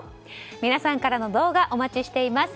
皆さんからの動画お待ちしています。